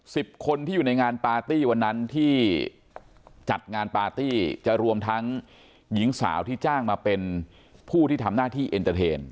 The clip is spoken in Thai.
สิบคนที่อยู่ในงานปาร์ตี้วันนั้นที่จัดงานปาร์ตี้จะรวมทั้งหญิงสาวที่จ้างมาเป็นผู้ที่ทำหน้าที่เอ็นเตอร์เทน